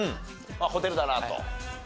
ホテルだなと。